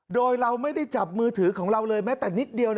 โดยเราไม่ได้จับมือถือของเราเลยแม้แต่นิดเดียว